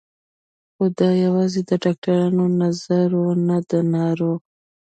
خو دا یوازې د ډاکترانو نظر و نه د ناروغ